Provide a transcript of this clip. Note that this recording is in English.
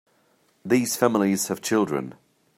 These families have children.